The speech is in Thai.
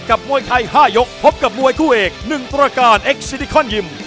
มวยไทย๕ยกพบกับมวยคู่เอก๑ประการเอ็กซิดิคอนยิม